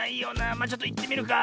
まあちょっといってみるか。